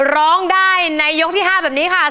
ร้องได้ในยกที่๕แบบนี้ค่ะ